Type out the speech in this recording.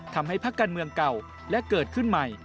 พักการเมืองเก่าและเกิดขึ้นใหม่